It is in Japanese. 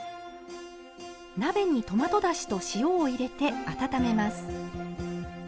鍋にトマトだしと塩を入れて温めます。